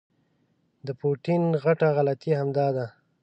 د پوټین غټه غلطي همدا ده.